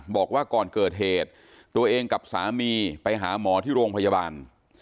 บอกว่าก่อนเกิดเหตุตัวเองกับสามีไปหาหมอที่โรงพยาบาล